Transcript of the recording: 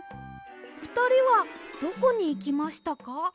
ふたりはどこにいきましたか？